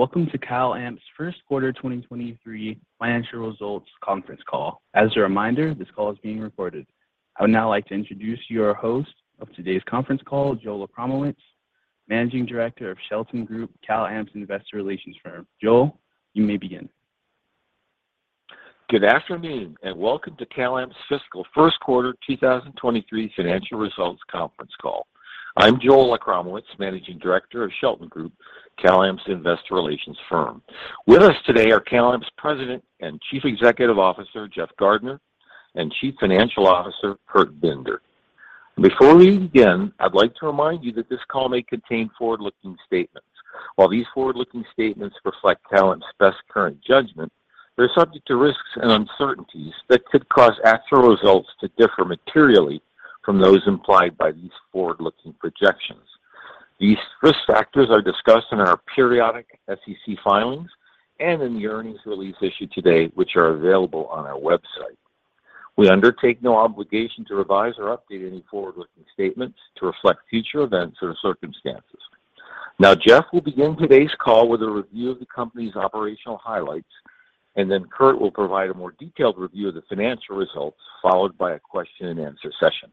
Welcome to CalAmp's first quarter 2023 financial results conference call. As a reminder, this call is being recorded. I would now like to introduce your host of today's conference call, Joel Achramowicz, Managing Director of Shelton Group, CalAmp's investor relations firm. Joel, you may begin. Good afternoon, and welcome to CalAmp's fiscal first quarter 2023 financial results conference call. I'm Joel Achramowicz, Managing Director of Shelton Group, CalAmp's investor relations firm. With us today are CalAmp's President and Chief Executive Officer, Jeff Gardner, and Chief Financial Officer, Kurt Binder. Before we begin, I'd like to remind you that this call may contain forward-looking statements. While these forward-looking statements reflect CalAmp's best current judgment, they're subject to risks and uncertainties that could cause actual results to differ materially from those implied by these forward-looking projections. These risk factors are discussed in our periodic SEC filings and in the earnings release issued today, which are available on our website. We undertake no obligation to revise or update any forward-looking statements to reflect future events or circumstances. Now, Jeff will begin today's call with a review of the company's operational highlights, and then Kurt will provide a more detailed review of the financial results, followed by a question and answer session.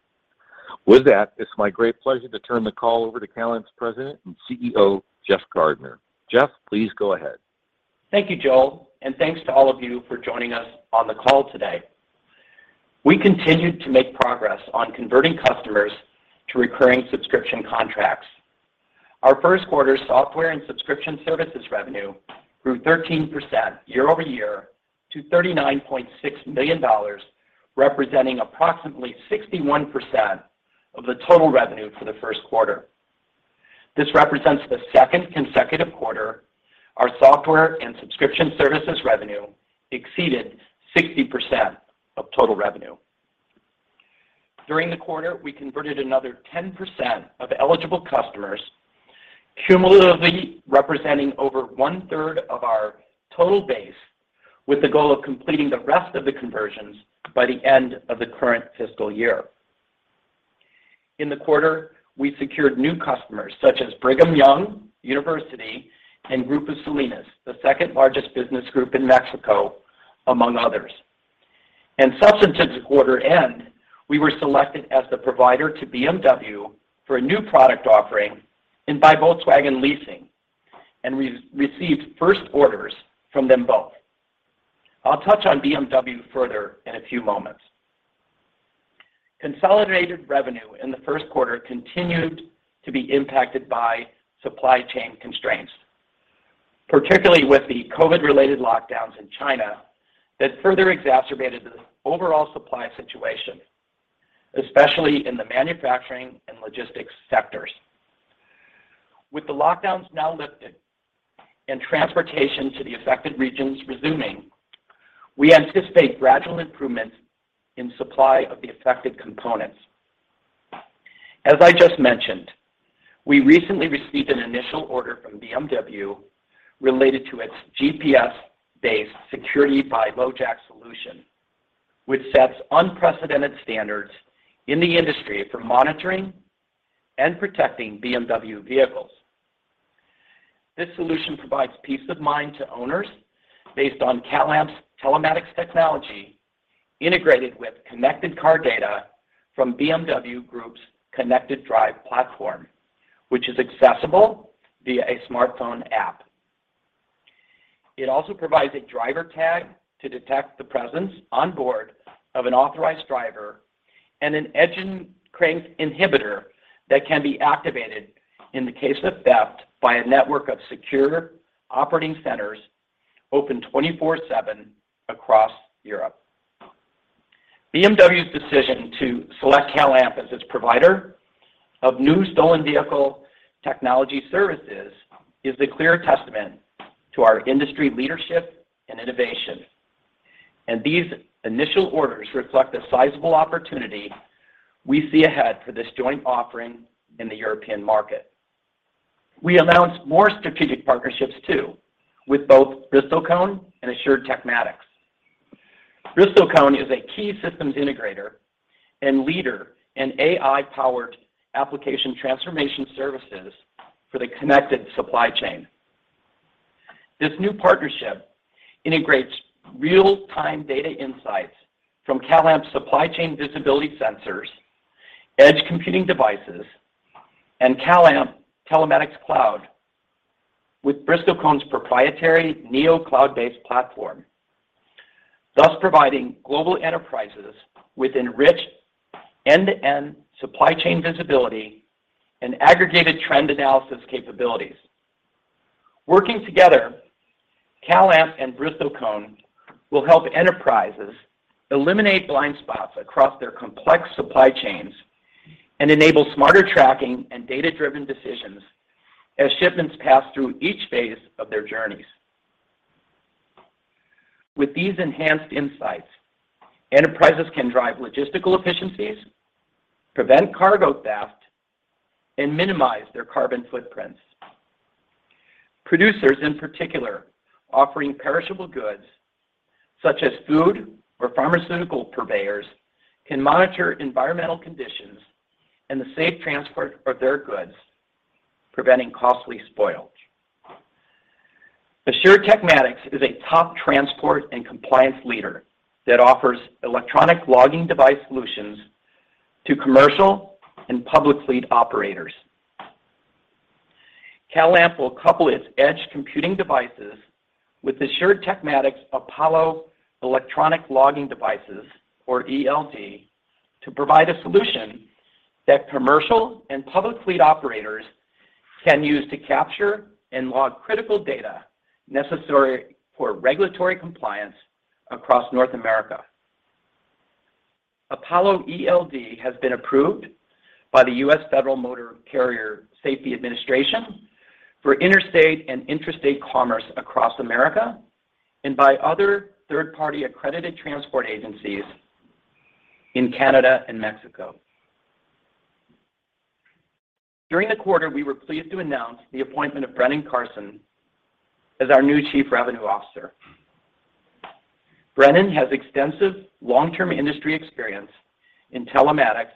With that, it's my great pleasure to turn the call over to CalAmp's President and CEO, Jeff Gardner. Jeff, please go ahead. Thank you, Joel, and thanks to all of you for joining us on the call today. We continued to make progress on converting customers to recurring subscription contracts. Our first quarter software and subscription services revenue grew 13% year-over-year to $39.6 million, representing approximately 61% of the total revenue for the first quarter. This represents the second consecutive quarter our software and subscription services revenue exceeded 60% of total revenue. During the quarter, we converted another 10% of eligible customers, cumulatively representing over 1/3 of our total base, with the goal of completing the rest of the conversions by the end of the current fiscal year. In the quarter, we secured new customers such as Brigham Young University and Grupo Salinas, the second-largest business group in Mexico, among others. Subsequent to quarter end, we were selected as the provider to BMW for a new product offering and by Volkswagen Leasing, and we received first orders from them both. I'll touch on BMW further in a few moments. Consolidated revenue in the first quarter continued to be impacted by supply chain constraints, particularly with the COVID-related lockdowns in China that further exacerbated the overall supply situation, especially in the manufacturing and logistics sectors. With the lockdowns now lifted and transportation to the affected regions resuming, we anticipate gradual improvements in supply of the affected components. As I just mentioned, we recently received an initial order from BMW related to its GPS-based Security by LoJack solution, which sets unprecedented standards in the industry for monitoring and protecting BMW vehicles. This solution provides peace of mind to owners based on CalAmp's telematics technology integrated with connected car data from BMW Group's ConnectedDrive platform, which is accessible via a smartphone app. It also provides a driver tag to detect the presence on board of an authorized driver and an engine crank inhibitor that can be activated in the case of theft by a network of secure operating centers open 24/7 across Europe. BMW's decision to select CalAmp as its provider of new stolen vehicle technology services is a clear testament to our industry leadership and innovation, and these initial orders reflect the sizable opportunity we see ahead for this joint offering in the European market. We announced more strategic partnerships, too, with both Bristlecone and Assured Telematics. Bristlecone is a key systems integrator and leader in AI-powered application transformation services for the connected supply chain. This new partnership integrates real-time data insights from CalAmp's supply chain visibility sensors, edge computing devices, and CalAmp Telematics Cloud with Bristlecone's proprietary NEO cloud-based platform, thus providing global enterprises with enriched end-to-end supply chain visibility and aggregated trend analysis capabilities. Working together, CalAmp and Bristlecone will help enterprises eliminate blind spots across their complex supply chains and enable smarter tracking and data-driven decisions as shipments pass through each phase of their journeys. With these enhanced insights, enterprises can drive logistical efficiencies, prevent cargo theft, and minimize their carbon footprints. Producers, in particular, offering perishable goods such as food or pharmaceutical purveyors can monitor environmental conditions and the safe transport of their goods, preventing costly spoilage. Assured Telematics is a top transport and compliance leader that offers electronic logging device solutions to commercial and public fleet operators. CalAmp will couple its edge computing devices with Assured Telematics Apollo electronic logging devices, or ELD, to provide a solution that commercial and public fleet operators can use to capture and log critical data necessary for regulatory compliance across North America. Apollo ELD has been approved by the U.S. Federal Motor Carrier Safety Administration for interstate and intrastate commerce across America, and by other third-party accredited transport agencies in Canada and Mexico. During the quarter, we were pleased to announce the appointment of Brennen Carson as our new Chief Revenue Officer. Brennen has extensive long-term industry experience in telematics,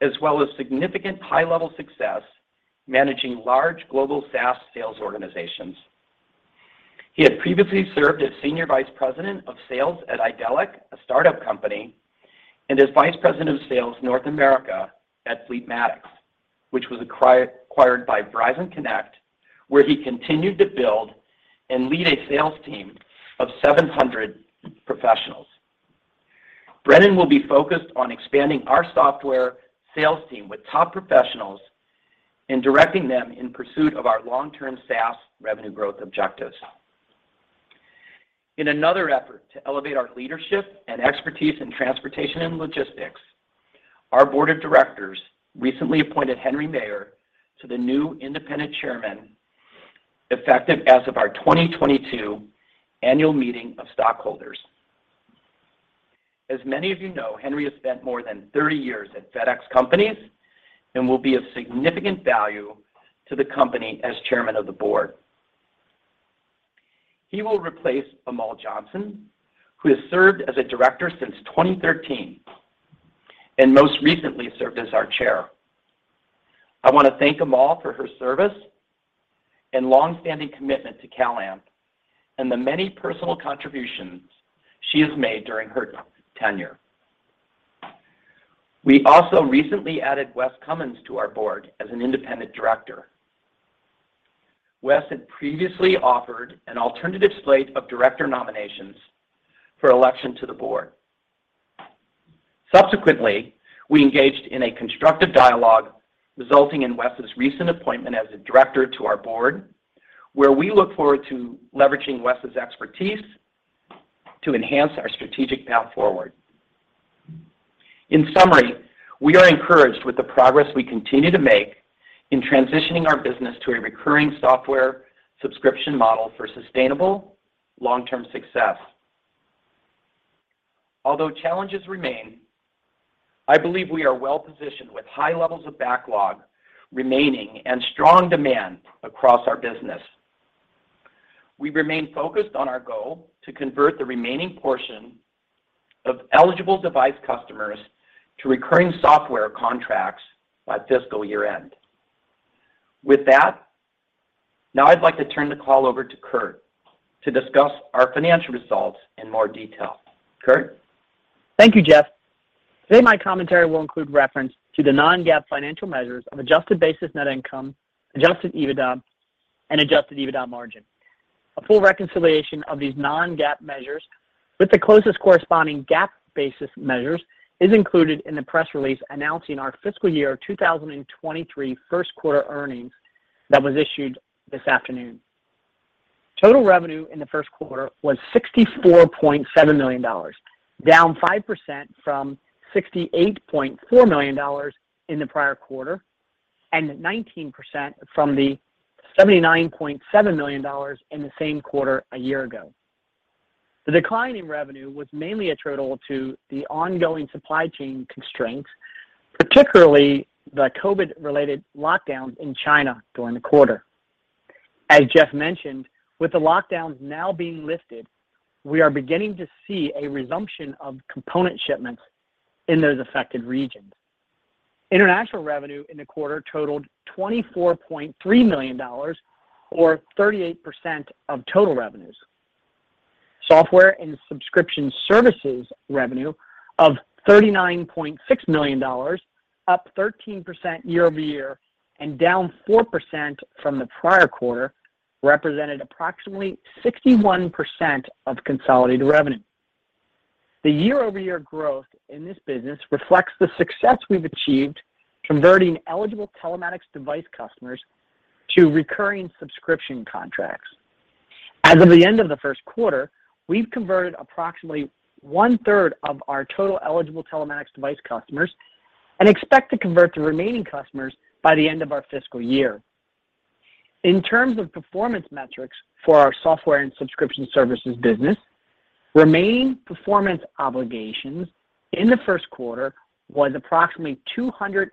as well as significant high-level success managing large global SaaS sales organizations. He had previously served as Senior Vice President of Sales at Idelic, a startup company, and as Vice President of Sales, North America, at Fleetmatics, which was acquired by Verizon Connect, where he continued to build and lead a sales team of 700 professionals. Brennan will be focused on expanding our software sales team with top professionals and directing them in pursuit of our long-term SaaS revenue growth objectives. In another effort to elevate our leadership and expertise in transportation and logistics, our board of directors recently appointed Henry Maier to the new independent chairman, effective as of our 2022 annual meeting of stockholders. As many of you know, Henry has spent more than 30 years at FedEx Companies and will be of significant value to the company as Chairman of the board. He will replace Amal Johnson, who has served as a Director since 2013, and most recently served as our chair. I want to thank Amal for her service and long-standing commitment to CalAmp, and the many personal contributions she has made during her tenure. We also recently added Wes Cummins to our board as an Independent Director. Wes had previously offered an alternative slate of director nominations for election to the board. Subsequently, we engaged in a constructive dialogue, resulting in Wes' recent appointment as a Director to our board, where we look forward to leveraging Wes' expertise to enhance our strategic path forward. In summary, we are encouraged with the progress we continue to make in transitioning our business to a recurring software subscription model for sustainable long-term success. Although challenges remain, I believe we are well-positioned with high levels of backlog remaining and strong demand across our business. We remain focused on our goal to convert the remaining portion of eligible device customers to recurring software contracts by fiscal year-end. With that, now I'd like to turn the call over to Kurt to discuss our financial results in more detail. Kurt? Thank you, Jeff. Today, my commentary will include reference to the non-GAAP financial measures of adjusted basis net income, Adjusted EBITDA, and Adjusted EBITDA margin. A full reconciliation of these non-GAAP measures with the closest corresponding GAAP basis measures is included in the press release announcing our fiscal year 2023 first quarter earnings that was issued this afternoon. Total revenue in the first quarter was $64.7 million, down 5% from $68.4 million in the prior quarter, and 19% from the $79.7 million in the same quarter a year ago. The decline in revenue was mainly attributable to the ongoing supply chain constraints, particularly the COVID-related lockdowns in China during the quarter. As Jeff mentioned, with the lockdowns now being lifted, we are beginning to see a resumption of component shipments in those affected regions. International revenue in the quarter totaled $24.3 million, or 38% of total revenues. Software and subscription services revenue of $39.6 million, up 13% year-over-year and down 4% from the prior quarter, represented approximately 61% of consolidated revenue. The year-over-year growth in this business reflects the success we've achieved converting eligible telematics device customers to recurring subscription contracts. As of the end of the first quarter, we've converted approximately 1/3 of our total eligible telematics device customers and expect to convert the remaining customers by the end of our fiscal year. In terms of performance metrics for our software and subscription services business, remaining performance obligations in the first quarter was approximately $215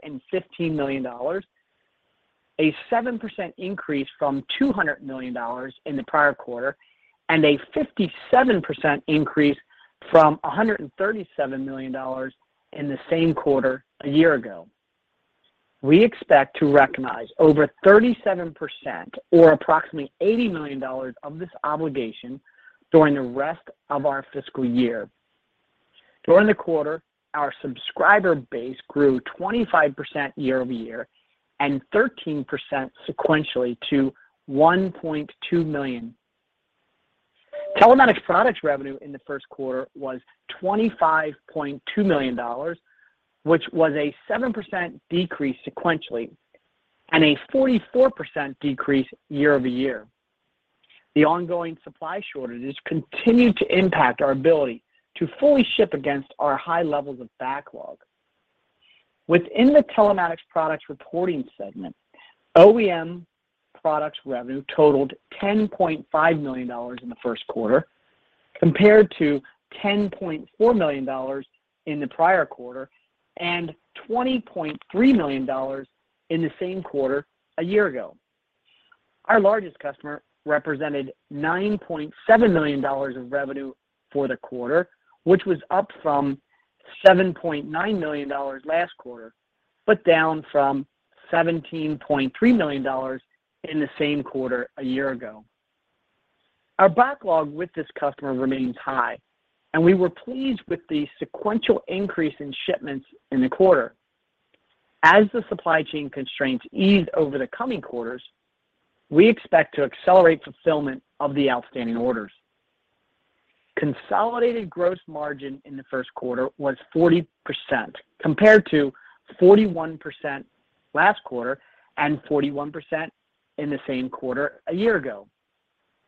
million. A 7% increase from $200 million in the prior quarter and a 57% increase from $137 million in the same quarter a year ago. We expect to recognize over 37% or approximately $80 million of this obligation during the rest of our fiscal year. During the quarter, our subscriber base grew 25% year-over-year and 13% sequentially to 1.2 million. Telematics products revenue in the first quarter was $25.2 million, which was a 7% decrease sequentially and a 44% decrease year-over-year. The ongoing supply shortages continued to impact our ability to fully ship against our high levels of backlog. Within the Telematics products reporting segment, OEM products revenue totaled $10.5 million in the first quarter compared to $10.4 million in the prior quarter and $20.3 million in the same quarter a year ago. Our largest customer represented $9.7 million of revenue for the quarter, which was up from $7.9 million last quarter, but down from $17.3 million in the same quarter a year ago. Our backlog with this customer remains high, and we were pleased with the sequential increase in shipments in the quarter. As the supply chain constraints ease over the coming quarters, we expect to accelerate fulfillment of the outstanding orders. Consolidated gross margin in the first quarter was 40% compared to 41% last quarter and 41% in the same quarter a year ago.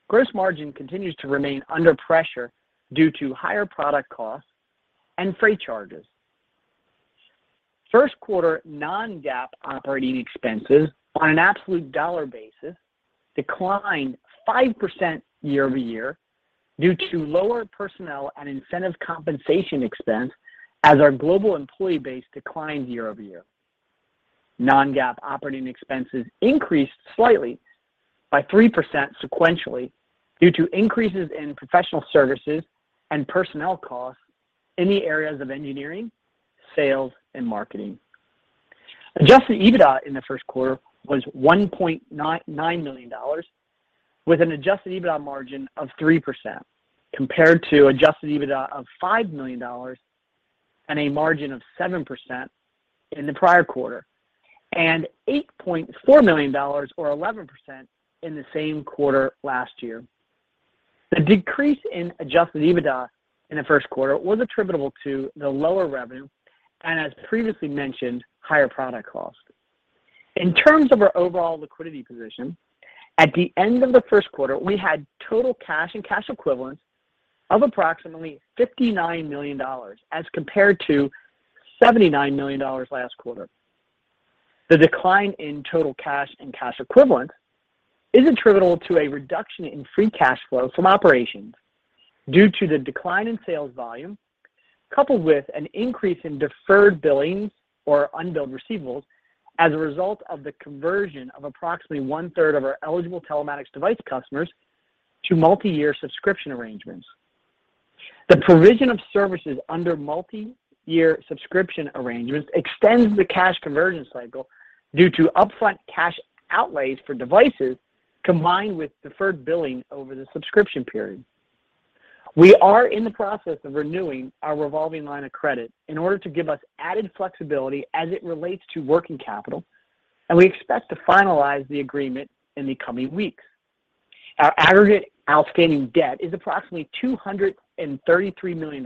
Gross margin continues to remain under pressure due to higher product costs and freight charges. First quarter non-GAAP operating expenses on an absolute dollar basis declined 5% year-over-year due to lower personnel and incentive compensation expense as our global employee base declined year-over-year. Non-GAAP operating expenses increased slightly by 3% sequentially due to increases in professional services and personnel costs in the areas of engineering, sales, and marketing. Adjusted EBITDA in the first quarter was $1.99 million with an Adjusted EBITDA margin of 3% compared to Adjusted EBITDA of $5 million and a margin of 7% in the prior quarter, and $8.4 million or 11% in the same quarter last year. The decrease in Adjusted EBITDA in the first quarter was attributable to the lower revenue and as previously mentioned, higher product cost. In terms of our overall liquidity position, at the end of the first quarter, we had total cash and cash equivalents of approximately $59 million as compared to $79 million last quarter. The decline in total cash and cash equivalents is attributable to a reduction in free cash flow from operations due to the decline in sales volume, coupled with an increase in deferred billing or unbilled receivables as a result of the conversion of approximately 1/3 of our eligible telematics device customers to multi-year subscription arrangements. The provision of services under multi-year subscription arrangements extends the cash conversion cycle due to upfront cash outlays for devices, combined with deferred billing over the subscription period. We are in the process of renewing our revolving line of credit in order to give us added flexibility as it relates to working capital, and we expect to finalize the agreement in the coming weeks. Our aggregate outstanding debt is approximately $233 million,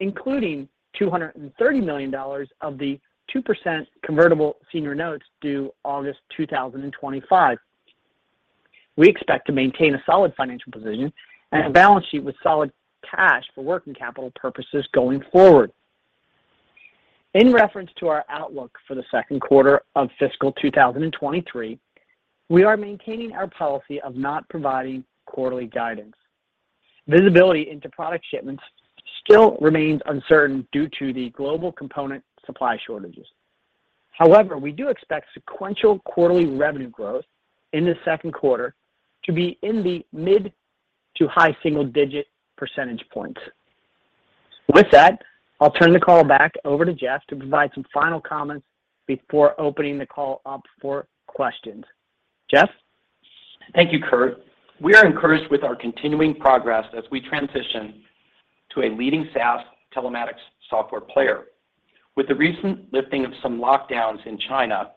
including $230 million of the 2% convertible senior notes due August 2025. We expect to maintain a solid financial position and a balance sheet with solid cash for working capital purposes going forward. In reference to our outlook for the second quarter of fiscal 2023, we are maintaining our policy of not providing quarterly guidance. Visibility into product shipments still remains uncertain due to the global component supply shortages. However, we do expect sequential quarterly revenue growth in the second quarter to be in the mid to high single digit percentage points. With that, I'll turn the call back over to Jeff to provide some final comments before opening the call up for questions. Jeff? Thank you, Kurt. We are encouraged with our continuing progress as we transition to a leading SaaS telematics software player. With the recent lifting of some lockdowns in China,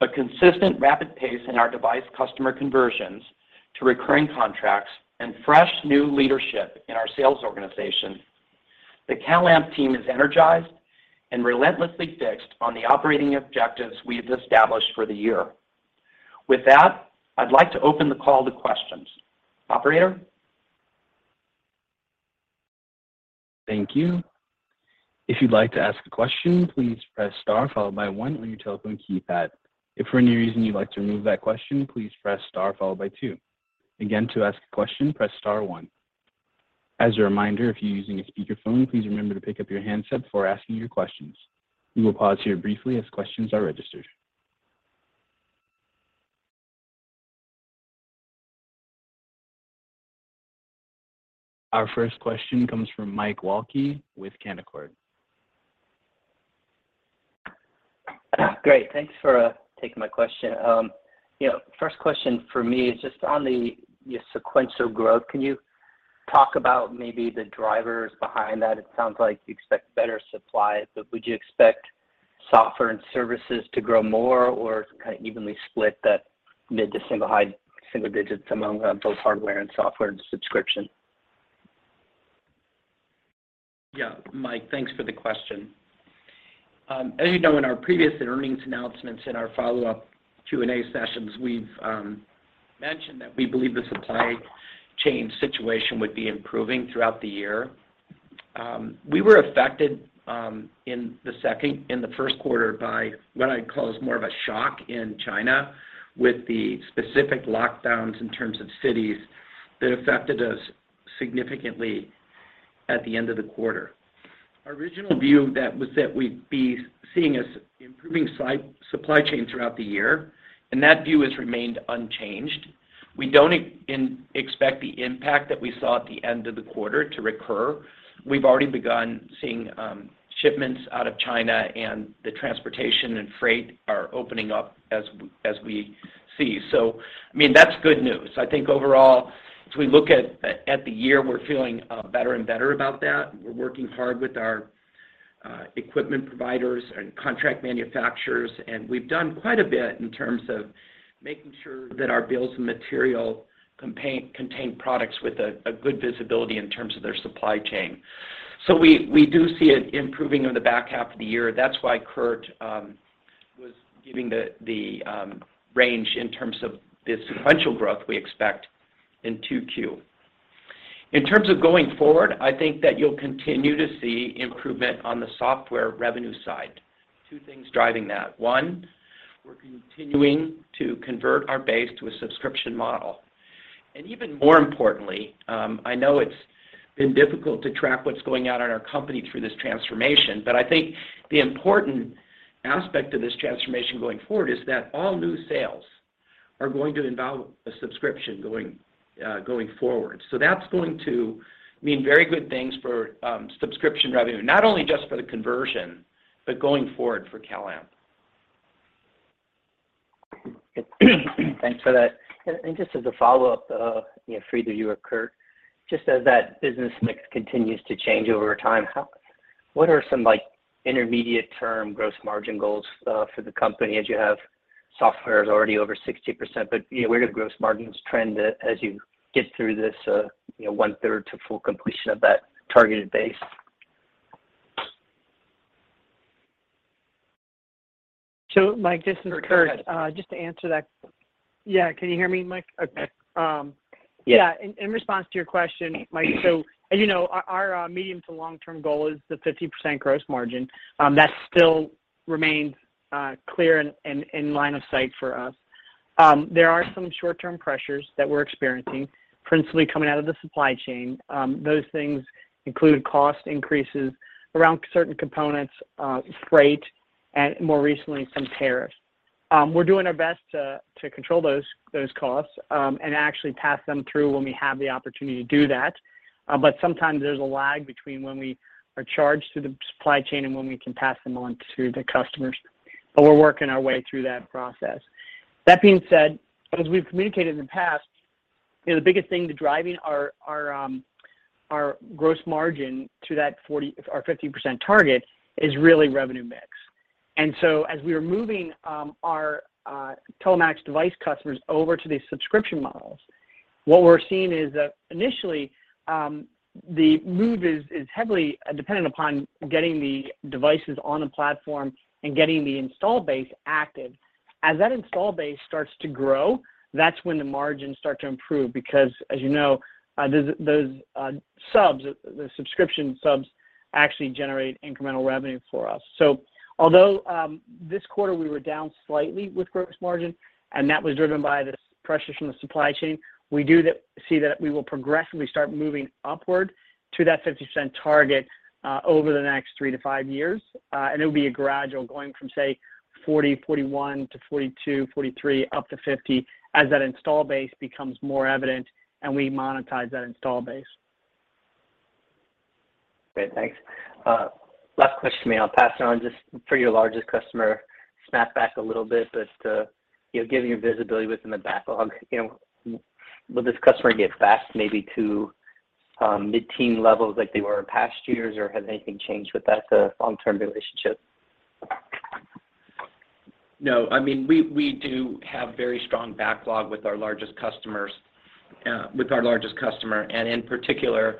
a consistent rapid pace in our device customer conversions to recurring contracts and fresh new leadership in our sales organization, the CalAmp team is energized and relentlessly fixed on the operating objectives we have established for the year. With that, I'd like to open the call to questions. Operator? Thank you. If you'd like to ask a question, please press star followed by one on your telephone keypad. If for any reason you'd like to remove that question, please press star followed by two. Again, to ask a question, press star one. As a reminder, if you're using a speakerphone, please remember to pick up your handset before asking your questions. We will pause here briefly as questions are registered. Our first question comes from Mike Walkley with Canaccord. Great. Thanks for taking my question. You know, first question for me is just on your sequential growth. Can you talk about maybe the drivers behind that? It sounds like you expect better supply, but would you expect software and services to grow more or kind of evenly split that mid- to high-single digits among both hardware and software and subscription? Yeah. Mike, thanks for the question. As you know, in our previous earnings announcements and our follow-up Q&A sessions, we've mentioned that we believe the supply chain situation would be improving throughout the year. We were affected in the first quarter by what I'd call as more of a shock in China with the specific lockdowns in terms of cities that affected us significantly at the end of the quarter. Our original view that was that we'd be seeing as improving supply chain throughout the year, and that view has remained unchanged. We don't expect the impact that we saw at the end of the quarter to recur. We've already begun seeing shipments out of China and the transportation and freight are opening up as we see. I mean, that's good news. I think overall, as we look at the year, we're feeling better and better about that. We're working hard with our equipment providers and contract manufacturers, and we've done quite a bit in terms of making sure that our bill of materials contain products with a good visibility in terms of their supply chain. We do see it improving in the back half of the year. That's why Kurt was giving the range in terms of the sequential growth we expect in 2Q. In terms of going forward, I think that you'll continue to see improvement on the software revenue side. Two things driving that. One, we're continuing to convert our base to a subscription model. Even more importantly, I know it's been difficult to track what's going on in our company through this transformation, but I think the important aspect of this transformation going forward is that all new sales are going to involve a subscription going forward. That's going to mean very good things for subscription revenue, not only just for the conversion, but going forward for CalAmp. Thanks for that. Just as a follow-up, you know, either you or Kurt, just as that business mix continues to change over time, what are some, like, intermediate term gross margin goals, for the company as you have software already over 60%. But, you know, where do gross margins trend, as you get through this, you know, 1/3 to full completion of that targeted base? Mike, this is Kurt. Kurt, go ahead. Just to answer that. Yeah. Can you hear me, Mike? Okay. Yeah. Yeah. In response to your question, Mike, so as you know, our medium to long-term goal is the 50% gross margin. That still remains clear and in line of sight for us. There are some short-term pressures that we're experiencing, principally coming out of the supply chain. Those things include cost increases around certain components, freight, and more recently, some tariffs. We're doing our best to control those costs and actually pass them through when we have the opportunity to do that. But sometimes there's a lag between when we are charged through the supply chain and when we can pass them on to the customers, but we're working our way through that process. That being said, as we've communicated in the past, you know, the biggest thing to driving our our gross margin to that 40% or 50% target is really revenue mix. As we are moving our telematics device customers over to these subscription models, what we're seeing is that initially the move is heavily dependent upon getting the devices on the platform and getting the install base active. As that install base starts to grow, that's when the margins start to improve because as you know those subs, the subscription subs actually generate incremental revenue for us. Although this quarter we were down slightly with gross margin, and that was driven by the pressures from the supply chain, we see that we will progressively start moving upward to that 50% target over the next three to five years. It'll be a gradual going from, say, 40%-41% to 42%-43%, up to 50% as that installed base becomes more evident and we monetize that installed base. Great. Thanks. Last question, then I'll pass it on. Just for your largest customer, snap back a little bit as to giving your visibility within the backlog. Will this customer get back maybe to mid-teen levels like they were in past years, or has anything changed with that long-term relationship? No. I mean, we do have very strong backlog with our largest customers, with our largest customer, and in particular,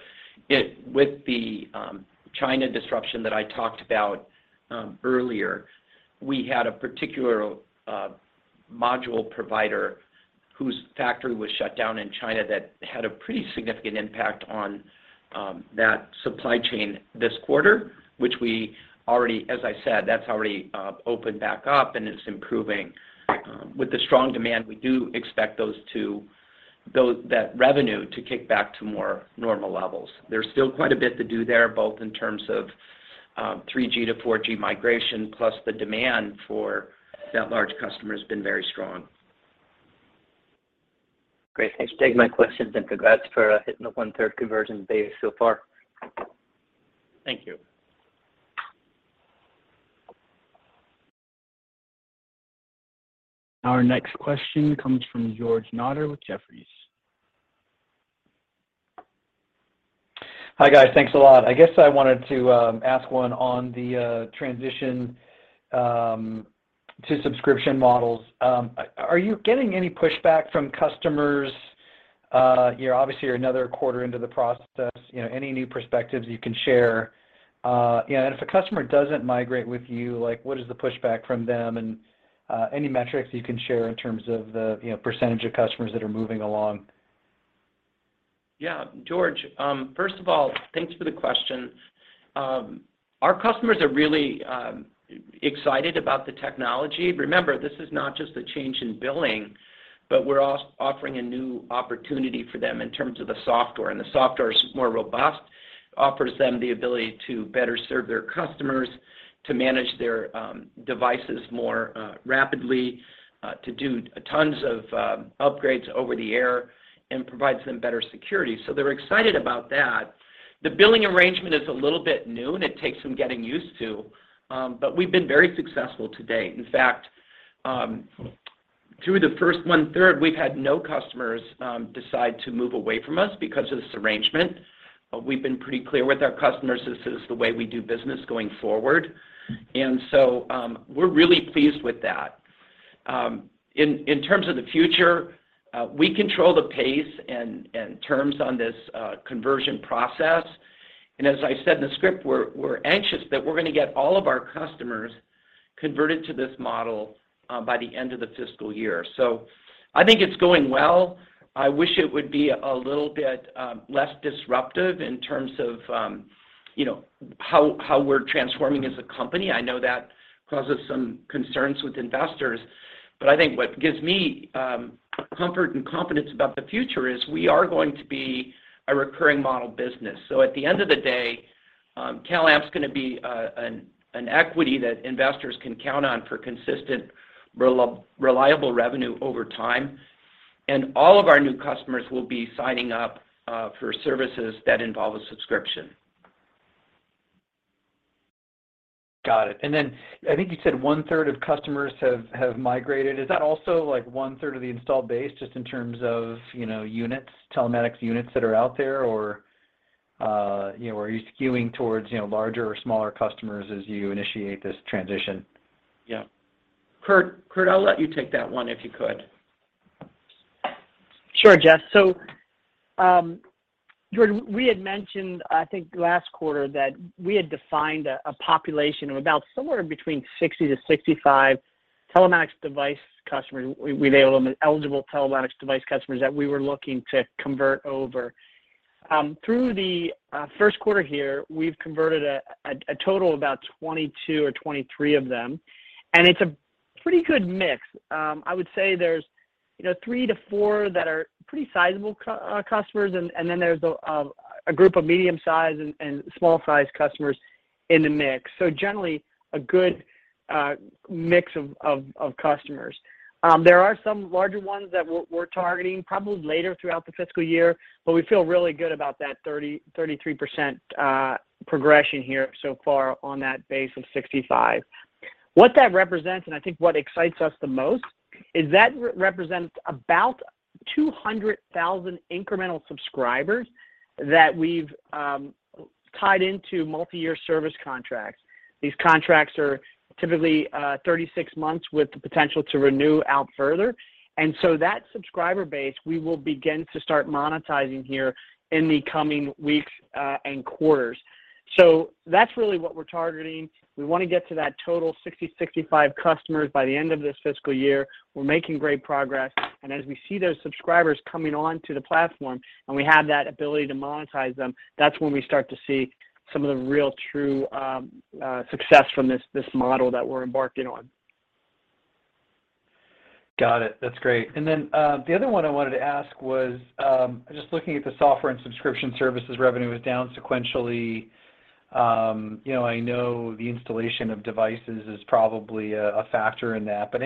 with the China disruption that I talked about earlier, we had a particular module provider whose factory was shut down in China that had a pretty significant impact on that supply chain this quarter. As I said, that's already opened back up, and it's improving. With the strong demand, we do expect that revenue to kick back to more normal levels. There's still quite a bit to do there, both in terms of 3G to 4G migration, plus the demand for that large customer has been very strong. Great. Thanks for taking my questions and congrats for hitting the 1/3 conversion base so far. Thank you. Our next question comes from George Notter with Jefferies. Hi, guys. Thanks a lot. I guess I wanted to ask one on the transition to subscription models. Are you getting any pushback from customers? You know, obviously you're another quarter into the process, you know, any new perspectives you can share. You know, and if a customer doesn't migrate with you, like, what is the pushback from them? Any metrics you can share in terms of the, you know, percentage of customers that are moving along. Yeah. George, first of all, thanks for the question. Our customers are really excited about the technology. Remember, this is not just a change in billing, but we're also offering a new opportunity for them in terms of the software, and the software's more robust. It offers them the ability to better serve their customers, to manage their devices more rapidly, to do tons of upgrades over the air, and it provides them better security, so they're excited about that. The billing arrangement is a little bit new, and it takes some getting used to. We've been very successful to date. In fact, through the first 1/3, we've had no customers decide to move away from us because of this arrangement. We've been pretty clear with our customers. This is the way we do business going forward. We're really pleased with that. In terms of the future, we control the pace and terms on this conversion process. As I said in the script, we're anxious that we're gonna get all of our customers converted to this model by the end of the fiscal year. I think it's going well. I wish it would be a little bit less disruptive in terms of you know how we're transforming as a company. I know that causes some concerns with investors, but I think what gives me comfort and confidence about the future is we are going to be a recurring model business. At the end of the day, CalAmp's gonna be an equity that investors can count on for consistent reliable revenue over time. All of our new customers will be signing up for services that involve a subscription. Got it. I think you said 1/3 of customers have migrated. Is that also, like, 1/3 of the installed base just in terms of, you know, units, telematics units that are out there? You know, are you skewing towards, you know, larger or smaller customers as you initiate this transition? Yeah. Kurt, I'll let you take that one, if you could. Sure, Jeff. George, we had mentioned, I think last quarter, that we had defined a population of about somewhere between 60-65 telematics device customers, eligible telematics device customers that we were looking to convert over. Through the first quarter here, we've converted a total of about 22 or 23 of them, and it's a pretty good mix. I would say there's, you know, three to four that are pretty sizable customers, and then there's a group of medium size and small size customers in the mix. Generally, a good mix of customers. There are some larger ones that we're targeting probably later throughout the fiscal year, but we feel really good about that 33% progression here so far on that base of 65. What that represents, and I think what excites us the most, is that represents about 200,000 incremental subscribers that we've tied into multi-year service contracts. These contracts are typically 36 months with the potential to renew out further. That subscriber base, we will begin to start monetizing here in the coming weeks and quarters. That's really what we're targeting. We wanna get to that total 60-65 customers by the end of this fiscal year. We're making great progress. As we see those subscribers coming onto the platform, and we have that ability to monetize them, that's when we start to see some of the real true success from this model that we're embarking on. Got it. That's great. Then the other one I wanted to ask was just looking at the software and subscription services revenue is down sequentially. You know, I know the installation of devices is probably a factor in that, but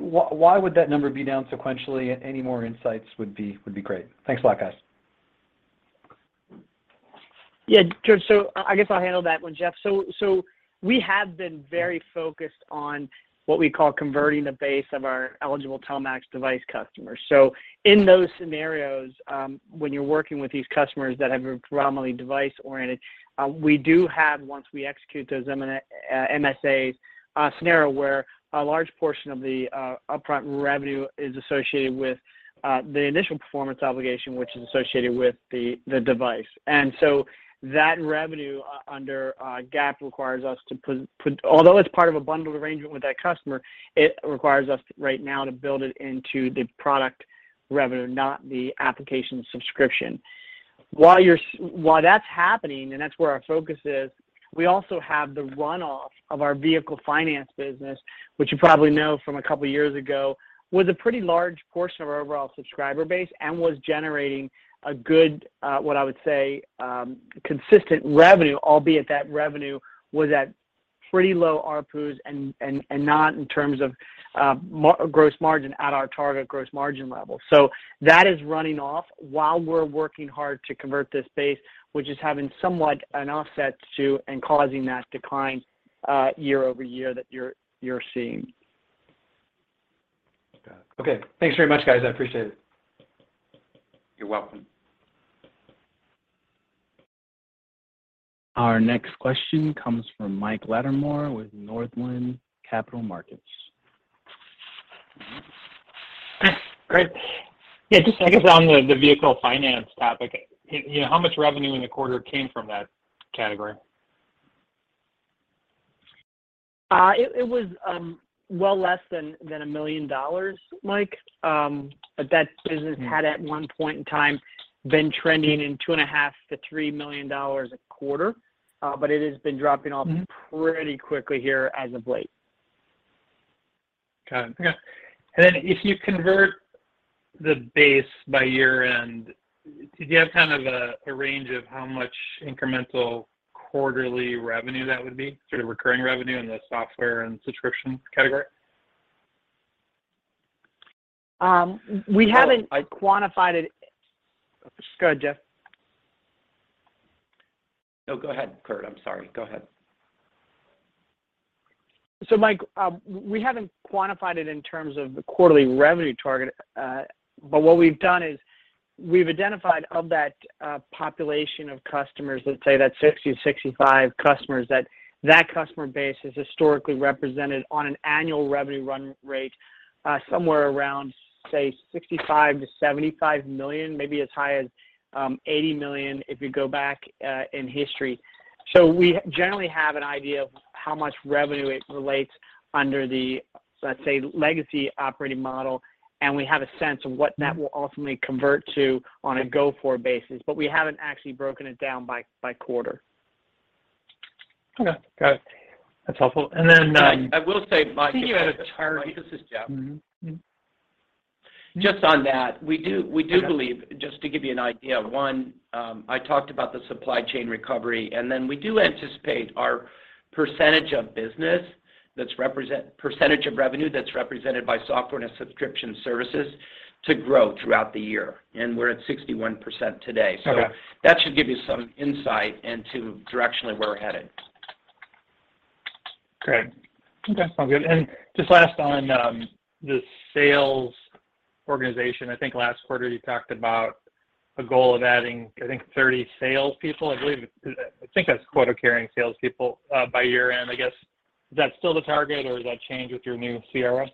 why would that number be down sequentially? Any more insights would be great. Thanks a lot, guys. Yeah. George, so I guess I'll handle that one, Jeff. We have been very focused on what we call converting the base of our eligible telematics device customers. In those scenarios, when you're working with these customers that have been primarily device-oriented, we do have, once we execute those MSAs, a scenario where a large portion of the upfront revenue is associated with the initial performance obligation, which is associated with the device. That revenue under GAAP requires us to put. Although it's part of a bundled arrangement with that customer, it requires us right now to build it into the product revenue, not the application subscription. While that's happening, and that's where our focus is, we also have the runoff of our vehicle finance business, which you probably know from a couple years ago, was a pretty large portion of our overall subscriber base and was generating a good, what I would say, consistent revenue, albeit that revenue was at pretty low RPO and not in terms of gross margin at our target gross margin level. That is running off while we're working hard to convert this base, which is having somewhat an offset to and causing that decline, year-over-year that you're seeing. Got it. Okay. Thanks very much, guys. I appreciate it. You're welcome. Our next question comes from Mike Latimore with Northland Capital Markets. Yeah, just I guess on the vehicle finance topic. You know, how much revenue in the quarter came from that category? It was well less than $1 million, Mike. That business had at one point in time been trending in $2.5 million-$3 million a quarter. It has been dropping off. Mm-hmm Pretty quickly here as of late. Got it. Okay. If you convert the base by year-end, do you have kind of a range of how much incremental quarterly revenue that would be, sort of recurring revenue in the software and subscription category? Um, we haven't- Well. Quantified it. Go ahead, Jeff. No, go ahead, Kurt. I'm sorry. Go ahead. Mike, we haven't quantified it in terms of the quarterly revenue target. What we've done is we've identified of that population of customers, let's say 60 to 65 customers, that customer base is historically represented on an annual revenue run rate somewhere around, say, $65 million-$75 million, maybe as high as $80 million if you go back in history. We generally have an idea of how much revenue it relates under the, let's say, legacy operating model, and we have a sense of what that will ultimately convert to on a go-forward basis. We haven't actually broken it down by quarter. Okay. Got it. That's helpful. I will say, Mike. You have a target. Mike, this is Jeff. Mm-hmm. Mm-hmm. Just on that, we do believe. Okay Just to give you an idea, one, I talked about the supply chain recovery, and then we do anticipate our percentage of revenue that's represented by software and subscription services to grow throughout the year, and we're at 61% today. Okay. That should give you some insight into directionally where we're headed. Okay. Sounds good. Just last on the sales organization. I think last quarter you talked about a goal of adding, I think, 30 salespeople. I believe I think that's quota-carrying salespeople by year-end, I guess. Is that still the target, or has that changed with your new CRO?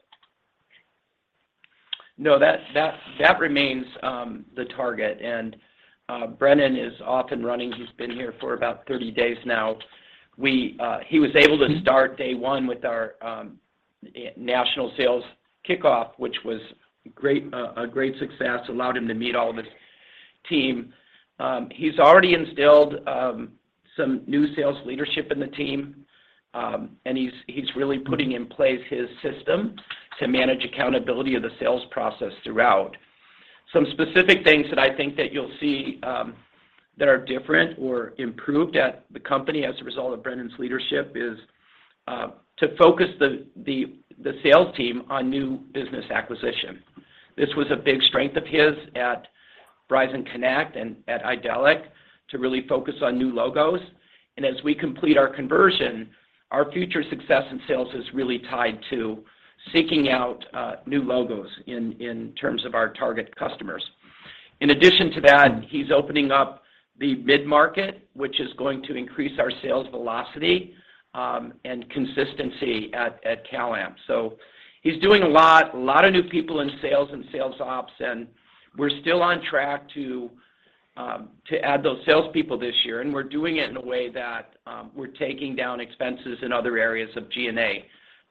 No, that remains the target. Brennan is off and running. He's been here for about 30 days now. He was able to start day one with our national sales kickoff, which was great, a great success, allowed him to meet all of his team. He's already instilled some new sales leadership in the team. He's really putting in place his system to manage accountability of the sales process throughout. Some specific things that I think that you'll see that are different or improved at the company as a result of Brennan's leadership is to focus the sales team on new business acquisition. This was a big strength of his at Verizon Connect and at Idelic to really focus on new logos. As we complete our conversion, our future success in sales is really tied to seeking out new logos in terms of our target customers. In addition to that, he's opening up the mid-market, which is going to increase our sales velocity and consistency at CalAmp. He's doing a lot of new people in sales and sales ops, and we're still on track to add those salespeople this year. We're doing it in a way that we're taking down expenses in other areas of G&A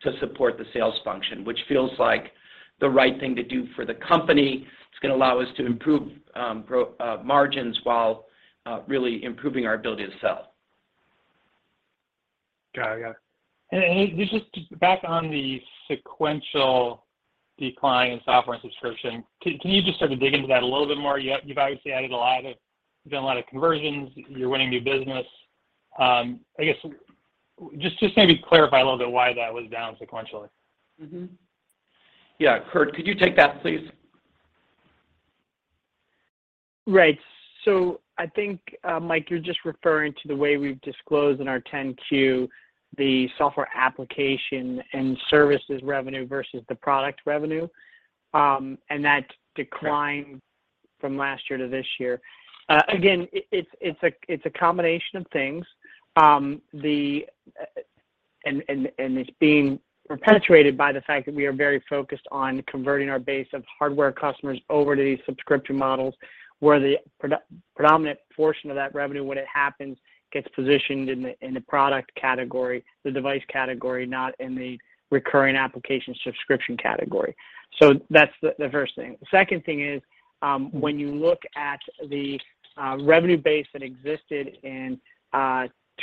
to support the sales function, which feels like the right thing to do for the company. It's gonna allow us to improve, grow margins while really improving our ability to sell. Got it. Just back on the sequential decline in software and subscription, can you just sort of dig into that a little bit more? You've obviously done a lot of conversions. You're winning new business. I guess just maybe clarify a little bit why that was down sequentially. Yeah. Kurt, could you take that please? Right. I think, Mike, you're just referring to the way we've disclosed in our 10-Q the software application and services revenue versus the product revenue, and that decline. Right From last year to this year. Again, it's a combination of things. It's being perpetuated by the fact that we are very focused on converting our base of hardware customers over to these subscription models, where the predominant portion of that revenue when it happens, gets positioned in the product category, the device category, not in the recurring application subscription category. That's the first thing. The second thing is, when you look at the revenue base that existed in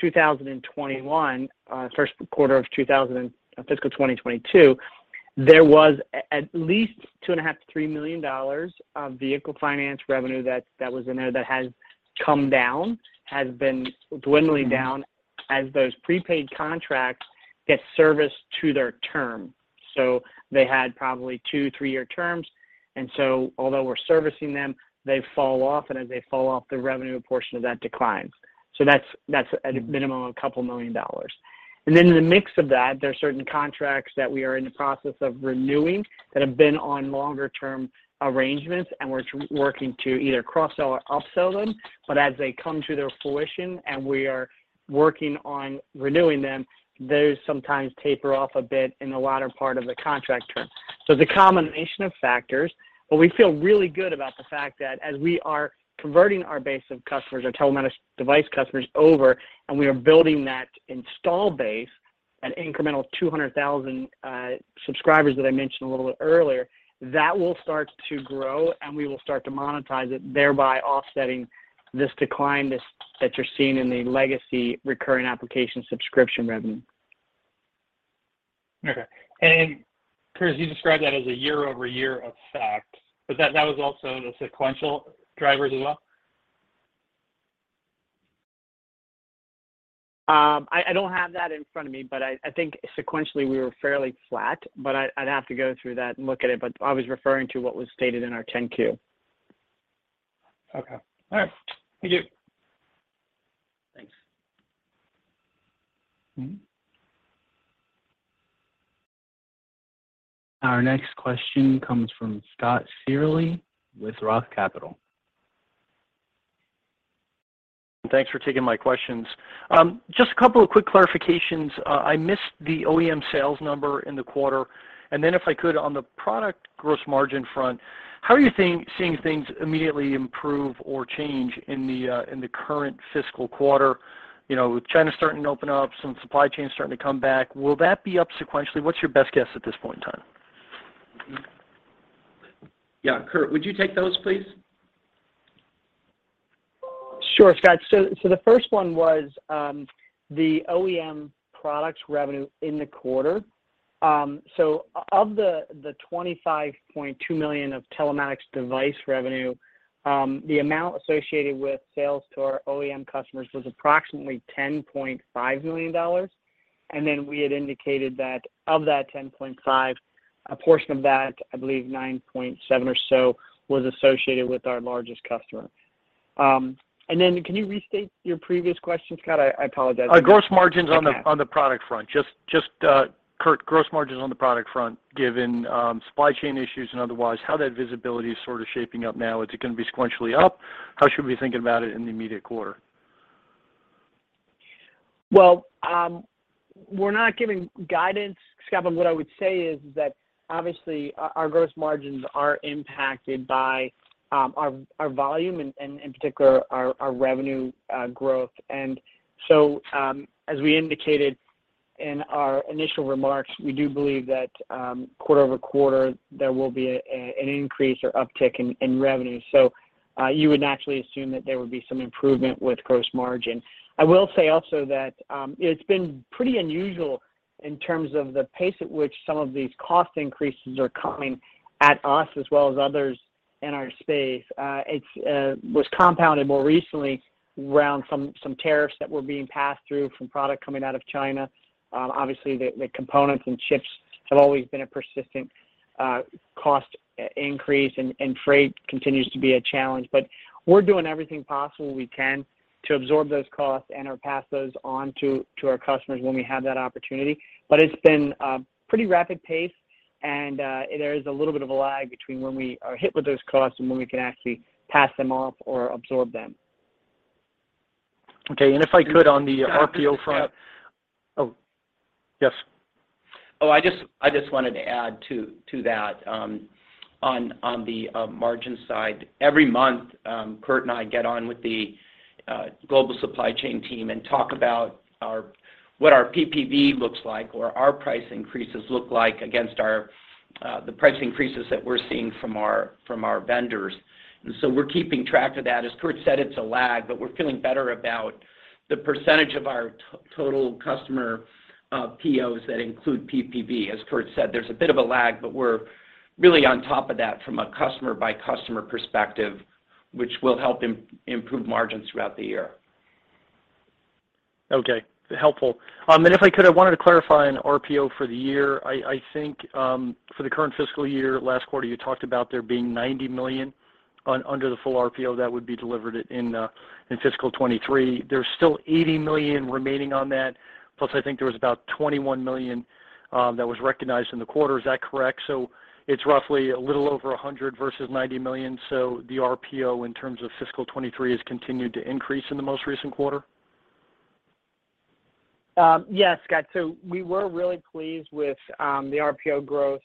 2021, first quarter of fiscal 2022. There was at least $2.5 million-$3 million of vehicle finance revenue that was in there that has come down, has been dwindling down as those prepaid contracts get serviced to their term. They had probably two, three-year terms, although we're servicing them, they fall off, and as they fall off, the revenue portion of that declines. That's at a minimum $2 million. Then in the mix of that, there are certain contracts that we are in the process of renewing that have been on longer-term arrangements, and we're working to either cross-sell or up-sell them. As they come to their fruition and we are working on renewing them, those sometimes taper off a bit in the latter part of the contract term. It's a combination of factors, but we feel really good about the fact that as we are converting our base of customers, our telematics device customers over, and we are building that install base at incremental 200,000 subscribers that I mentioned a little bit earlier, that will start to grow, and we will start to monetize it, thereby offsetting this decline that you're seeing in the legacy recurring application subscription revenue. Okay. Kurt, you described that as a year-over-year effect, but that was also in the sequential drivers as well? I don't have that in front of me, but I think sequentially we were fairly flat. I'd have to go through that and look at it, but I was referring to what was stated in our 10-Q. Okay. All right. Thank you. Thanks. Mm-hmm. Our next question comes from Scott Searle with Roth MKM. Thanks for taking my questions. Just a couple of quick clarifications. I missed the OEM sales number in the quarter. If I could on the product gross margin front, how are you seeing things immediately improve or change in the current fiscal quarter? You know, with China starting to open up, some supply chains starting to come back, will that be up sequentially? What's your best guess at this point in time? Yeah. Kurt, would you take those, please? Sure, Scott. The first one was the OEM products revenue in the quarter. Of the $25.2 million of telematics device revenue, the amount associated with sales to our OEM customers was approximately $10.5 million. We had indicated that of that $10.5 million, a portion of that, I believe $9.7 million or so, was associated with our largest customer. Can you restate your previous question, Scott? I apologize. Gross margins on the. Okay on the product front. Just, Kurt, gross margins on the product front, given supply chain issues and otherwise, how that visibility is sort of shaping up now. Is it gonna be sequentially up? How should we be thinking about it in the immediate quarter? Well, we're not giving guidance, Scott, but what I would say is that obviously our gross margins are impacted by our volume and in particular our revenue growth. As we indicated in our initial remarks, we do believe that quarter-over-quarter there will be an increase or uptick in revenue. You would naturally assume that there would be some improvement with gross margin. I will say also that it's been pretty unusual in terms of the pace at which some of these cost increases are coming at us as well as others in our space. It was compounded more recently around some tariffs that were being passed through from product coming out of China. Obviously the components and chips have always been a persistent cost increase and freight continues to be a challenge. We're doing everything possible we can to absorb those costs and/or pass those on to our customers when we have that opportunity. It's been a pretty rapid pace and there is a little bit of a lag between when we are hit with those costs and when we can actually pass them off or absorb them. Okay. If I could on the ARPU front. Scott. Oh, yes. I just wanted to add to that on the margin side. Every month, Kurt and I get on with the global supply chain team and talk about what our PPV looks like or our price increases look like against our price increases that we're seeing from our vendors. We're keeping track of that. As Kurt said, it's a lag, but we're feeling better about the percentage of our total customer POs that include PPV. As Kurt said, there's a bit of a lag, but we're really on top of that from a customer by customer perspective, which will help improve margins throughout the year. Okay. Helpful. If I could, I wanted to clarify on RPO for the year. I think, for the current fiscal year, last quarter you talked about there being $90 million under the full RPO that would be delivered in fiscal 2023. There's still $80 million remaining on that, plus I think there was about $21 million that was recognized in the quarter. Is that correct? It's roughly a little over $100 million versus $90 million. The RPO in terms of fiscal 2023 has continued to increase in the most recent quarter. Yes, Scott. We were really pleased with the RPO growth.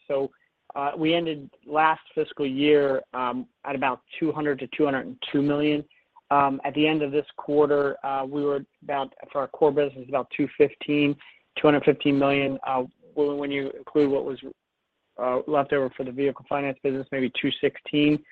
We ended last fiscal year at about $200 million-$202 million. At the end of this quarter, we were about, for our core business, about $215 million. Well, when you include what was left over for the vehicle finance business, maybe $216 million.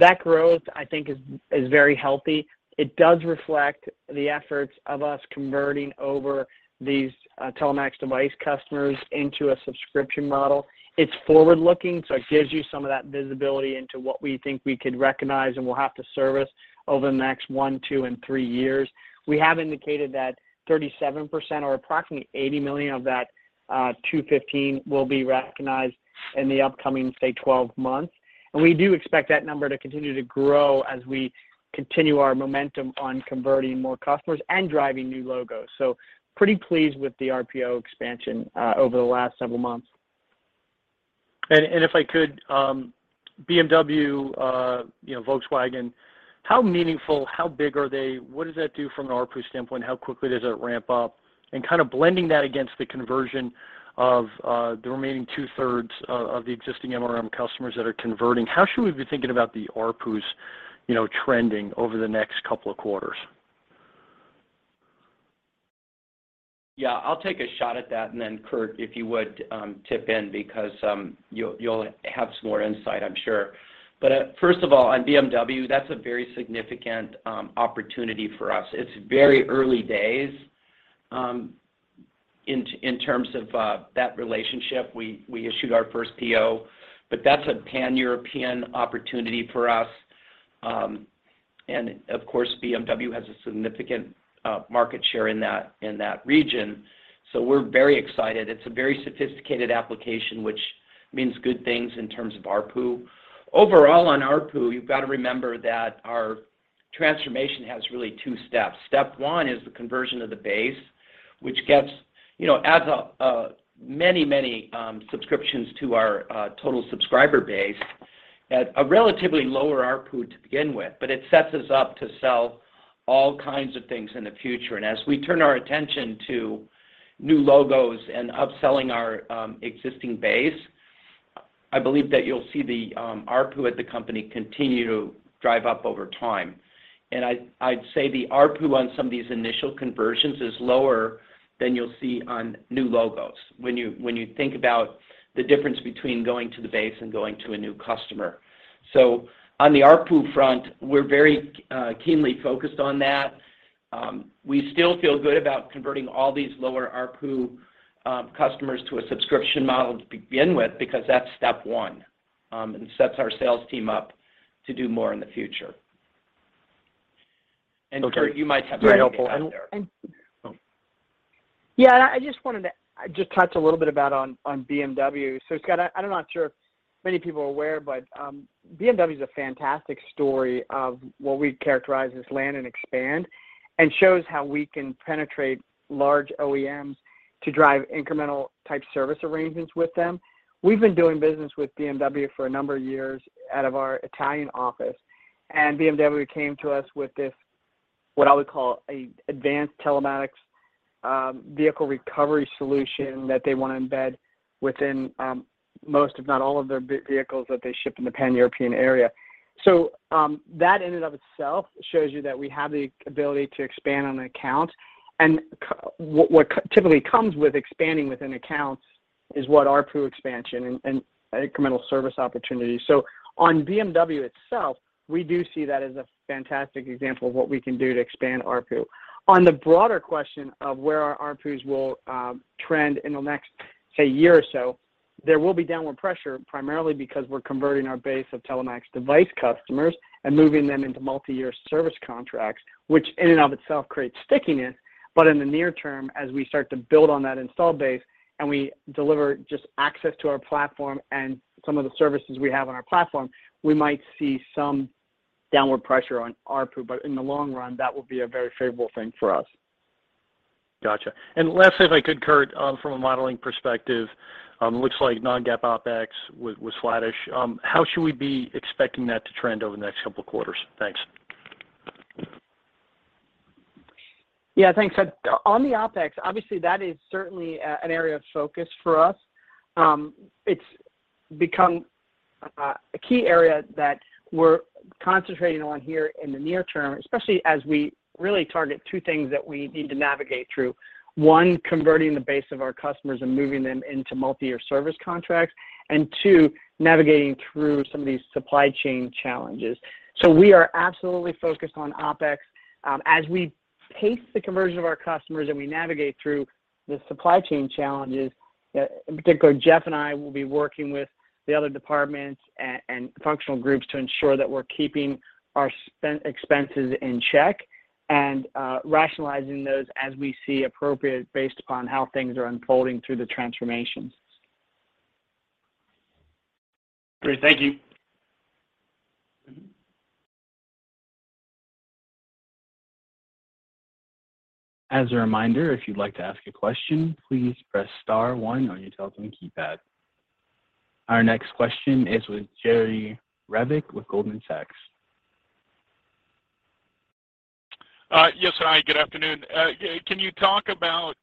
That growth, I think, is very healthy. It does reflect the efforts of us converting over these telematics device customers into a subscription model. It's forward-looking, so it gives you some of that visibility into what we think we could recognize and we'll have to service over the next one, two, and three years. We have indicated that 37% or approximately $80 million of that $215 will be recognized in the upcoming, say, 12 months. We do expect that number to continue to grow as we continue our momentum on converting more customers and driving new logos. Pretty pleased with the RPO expansion over the last several months. If I could, BMW, you know, Volkswagen, how meaningful, how big are they? What does that do from an ARPUs standpoint? How quickly does it ramp up? Kind of blending that against the conversion of the remaining 2/3 of the existing MRM customers that are converting. How should we be thinking about the ARPUs, you know, trending over the next couple of quarters? Yeah, I'll take a shot at that, and then Kurt, if you would, chime in because you'll have some more insight, I'm sure. First of all, on BMW, that's a very significant opportunity for us. It's very early days in terms of that relationship. We issued our first PO, but that's a Pan-European opportunity for us. Of course, BMW has a significant market share in that region. We're very excited. It's a very sophisticated application, which means good things in terms of ARPU. Overall, on ARPU, you've got to remember that our transformation has really two steps. Step one is the conversion of the base, which, you know, adds many subscriptions to our total subscriber base at a relatively lower ARPU to begin with. It sets us up to sell all kinds of things in the future. As we turn our attention to new logos and upselling our existing base, I believe that you'll see the ARPU at the company continue to drive up over time. I'd say the ARPU on some of these initial conversions is lower than you'll see on new logos when you think about the difference between going to the base and going to a new customer. On the ARPU front, we're very keenly focused on that. We still feel good about converting all these lower ARPU customers to a subscription model to begin with because that's step one, and sets our sales team up to do more in the future. Okay. Kurt, you might have more insight there. Very helpful. Oh. Yeah, I just wanted to just touch a little bit on BMW. I'm not sure if many people are aware, but BMW is a fantastic story of what we characterize as land and expand, and shows how we can penetrate large OEMs to drive incremental type service arrangements with them. We've been doing business with BMW for a number of years out of our Italian office, and BMW came to us with this, what I would call an advanced telematics vehicle recovery solution that they want to embed within most, if not all, of their vehicles that they ship in the Pan-European area. That in and of itself shows you that we have the ability to expand on an account. What typically comes with expanding within accounts is ARPU expansion and incremental service opportunities. On BMW itself, we do see that as a fantastic example of what we can do to expand ARPU. On the broader question of where our ARPUs will trend in the next, say, year or so, there will be downward pressure, primarily because we're converting our base of telematics device customers and moving them into multi-year service contracts, which in and of itself creates stickiness. In the near term, as we start to build on that installed base and we deliver just access to our platform and some of the services we have on our platform, we might see some downward pressure on ARPU. In the long run, that will be a very favorable thing for us. Gotcha. Lastly, if I could, Kurt, from a modeling perspective, it looks like non-GAAP OpEx was flattish. How should we be expecting that to trend over the next couple of quarters? Thanks. Yeah, thanks, Scott. On the OpEx, obviously, that is certainly an area of focus for us. It's become a key area that we're concentrating on here in the near term, especially as we really target two things that we need to navigate through. One, converting the base of our customers and moving them into multi-year service contracts. Two, navigating through some of these supply chain challenges. We are absolutely focused on OpEx. As we pace the conversion of our customers and we navigate through the supply chain challenges, in particular, Jeff and I will be working with the other departments and functional groups to ensure that we're keeping our expenses in check and rationalizing those as we see appropriate based upon how things are unfolding through the transformations. Great. Thank you. As a reminder, if you'd like to ask a question, please press star one on your telephone keypad. Our next question is with Jerry Revich with Goldman Sachs. Yes, hi, good afternoon. Can you talk about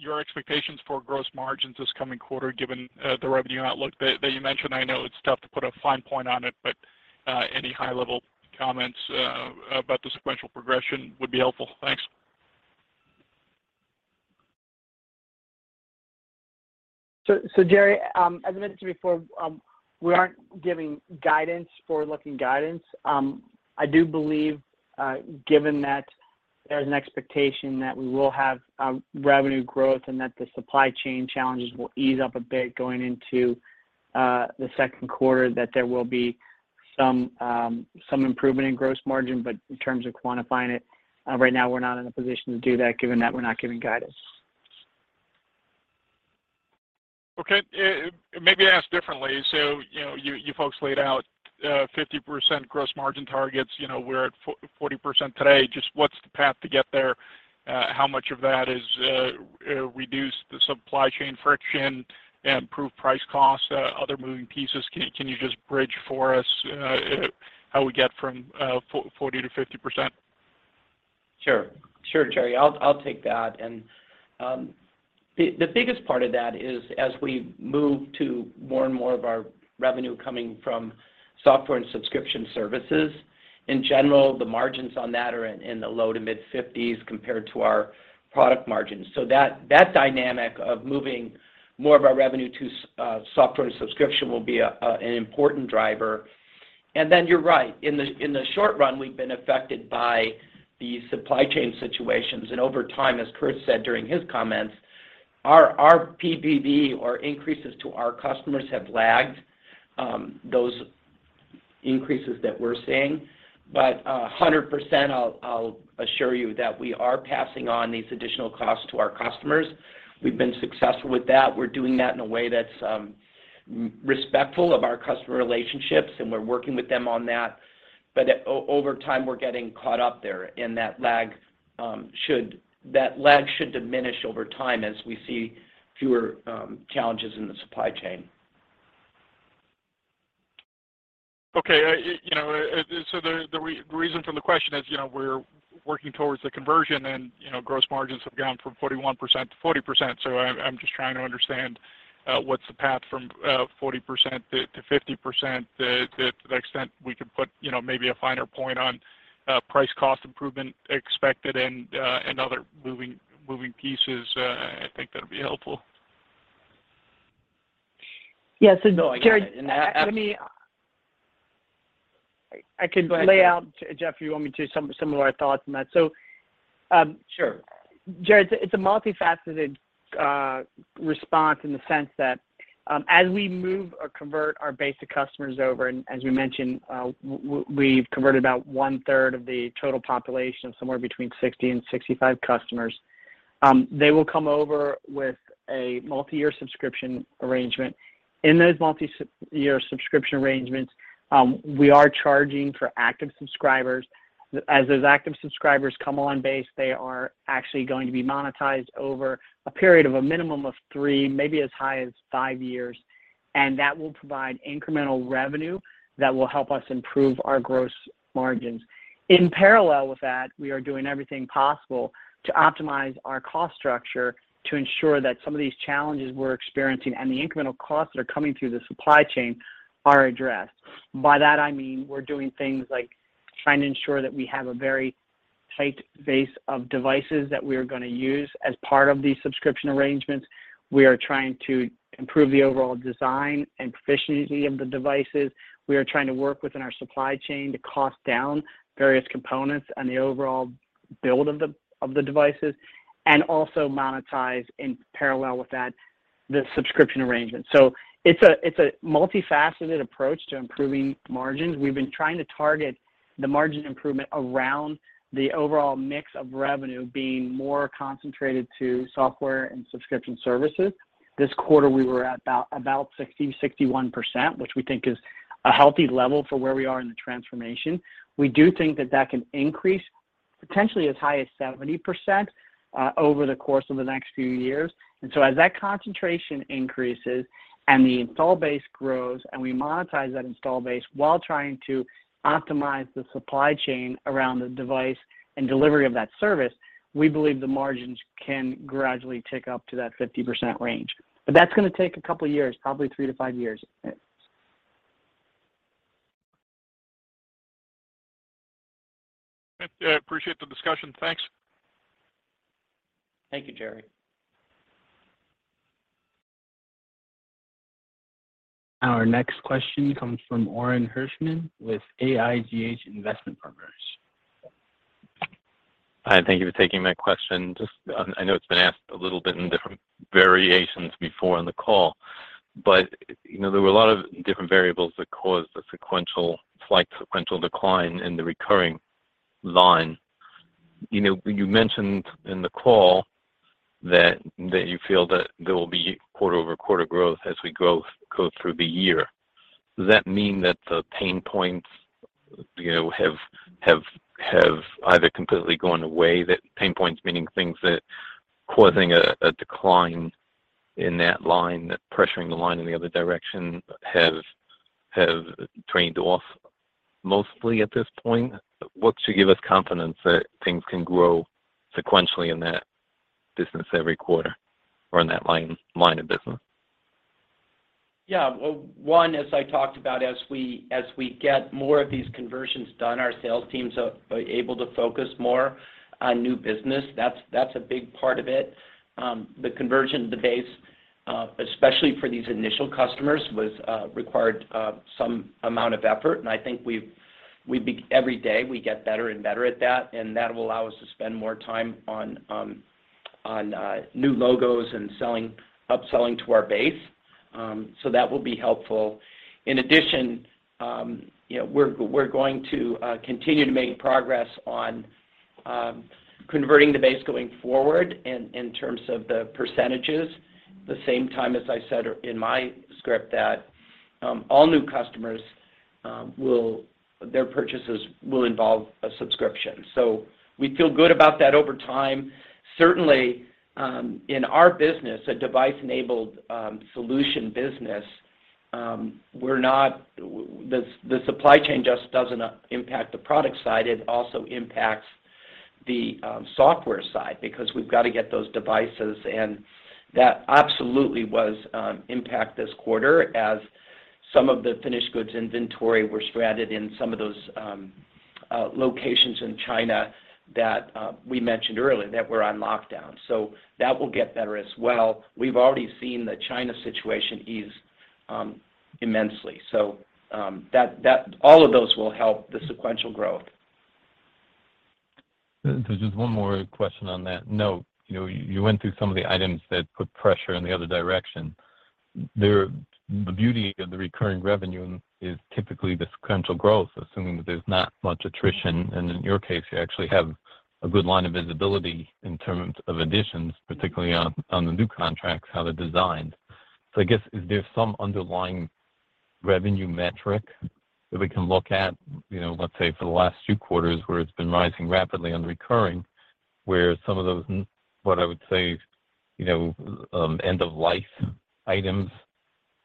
your expectations for gross margins this coming quarter, given the revenue outlook that you mentioned? I know it's tough to put a fine point on it, but any high-level comments about the sequential progression would be helpful. Thanks. Jerry, as I mentioned to you before, we aren't giving guidance, forward-looking guidance. I do believe, given that there's an expectation that we will have revenue growth and that the supply chain challenges will ease up a bit going into the second quarter, that there will be some improvement in gross margin. In terms of quantifying it, right now, we're not in a position to do that given that we're not giving guidance. Okay. Let me ask differently. You know, you folks laid out 50% gross margin targets. You know, we're at 40% today. Just what's the path to get there? How much of that is reduced supply chain friction, improved price costs, other moving pieces? Can you just bridge for us how we get from 40%-50%? Sure, Jerry. I'll take that. The biggest part of that is as we move to more and more of our revenue coming from software and subscription services, in general, the margins on that are in the low- to mid-50s compared to our product margins. That dynamic of moving more of our revenue to software and subscription will be an important driver. You're right. In the short run, we've been affected by the supply chain situations. Over time, as Kurt said during his comments, our PPV or increases to our customers have lagged those increases that we're seeing. 100%, I'll assure you that we are passing on these additional costs to our customers. We've been successful with that. We're doing that in a way that's respectful of our customer relationships, and we're working with them on that. Over time, we're getting caught up there, and that lag should diminish over time as we see fewer challenges in the supply chain. Okay. You know, the reason for the question is, you know, we're working towards the conversion, and, you know, gross margins have gone from 41%-40%. I'm just trying to understand, what's the path from 40%-50%, to the extent we could put, you know, maybe a finer point on, price cost improvement expected and other moving pieces, I think that'd be helpful. Yeah. Jerry, let me. No, I. I can lay out. Go ahead, Kurt. Jeff, if you want me to, some of our thoughts on that. Sure. Jerry, it's a multifaceted response in the sense that as we move or convert our base of customers over, and as we mentioned, we've converted about 1/3 of the total population, somewhere between 60 and 65 customers, they will come over with a multiyear subscription arrangement. In those multi-year subscription arrangements, we are charging for active subscribers. As those active subscribers come on base, they are actually going to be monetized over a period of a minimum of three, maybe as high as five years, and that will provide incremental revenue that will help us improve our gross margins. In parallel with that, we are doing everything possible to optimize our cost structure to ensure that some of these challenges we're experiencing and the incremental costs that are coming through the supply chain are addressed. By that, I mean, we're doing things like trying to ensure that we have a very tight base of devices that we are gonna use as part of these subscription arrangements. We are trying to improve the overall design and proficiency of the devices. We are trying to work within our supply chain to cost down various components and the overall build of the devices, and also monetize in parallel with that, the subscription arrangement. It's a multifaceted approach to improving margins. We've been trying to target the margin improvement around the overall mix of revenue being more concentrated to software and subscription services. This quarter, we were at about 61%, which we think is a healthy level for where we are in the transformation. We do think that that can increase potentially as high as 70% over the course of the next few years. As that concentration increases and the install base grows, and we monetize that install base while trying to optimize the supply chain around the device and delivery of that service, we believe the margins can gradually tick up to that 50% range. That's gonna take a couple of years, probably three to five years. I appreciate the discussion. Thanks. Thank you, Jerry. Our next question comes from Orin Hirschman with AIGH Investment Partners. Hi, thank you for taking my question. Just, I know it's been asked a little bit in different variations before on the call, but, you know, there were a lot of different variables that caused the slight sequential decline in the recurring line. You know, you mentioned in the call that you feel that there will be quarter-over-quarter growth as we go through the year. Does that mean that the pain points, you know, have either completely gone away? The pain points meaning things that causing a decline in that line, that pressuring the line in the other direction have trailed off mostly at this point. What should give us confidence that things can grow sequentially in that business every quarter or in that line of business? Yeah. Well, one, as I talked about, we get more of these conversions done, our sales teams are able to focus more on new business. That's a big part of it. The conversion of the base, especially for these initial customers, was required some amount of effort, and I think every day, we get better and better at that, and that will allow us to spend more time on new logos and selling, upselling to our base. That will be helpful. In addition, you know, we're going to continue to make progress on converting the base going forward in terms of the percentages. At the same time, as I said earlier in my script, all new customers, their purchases will involve a subscription. We feel good about that over time. Certainly, in our business, a device-enabled solution business, the supply chain just doesn't impact the product side, it also impacts the software side because we've gotta get those devices. That absolutely impacted this quarter as some of the finished goods inventory were stranded in some of those locations in China that we mentioned earlier that were on lockdown. That will get better as well. We've already seen the China situation ease immensely. All of those will help the sequential growth. Just one more question on that note. You know, you went through some of the items that put pressure in the other direction. The beauty of the recurring revenue is typically the sequential growth, assuming that there's not much attrition. In your case, you actually have a good line of visibility in terms of additions, particularly on the new contracts, how they're designed. I guess, is there some underlying revenue metric that we can look at, you know, let's say for the last two quarters where it's been rising rapidly on recurring, where some of those, what I would say, you know, end of life items,